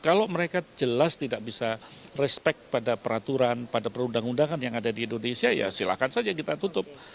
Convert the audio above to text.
kalau mereka jelas tidak bisa respect pada peraturan pada perundang undangan yang ada di indonesia ya silahkan saja kita tutup